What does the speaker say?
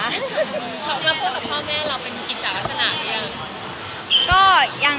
แล้วพูดกับพ่อแม่เป็นกิจลักษณะหรือยัง